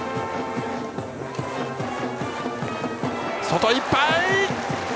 外いっぱい。